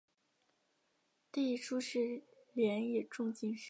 弟朱士廉也中进士。